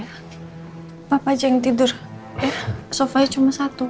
apa aja yang tidur eh sofanya cuma satu